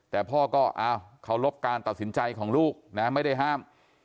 แต่พ่อก็เคารพการตัดสินใจของลูกนะไม่ได้ห้าม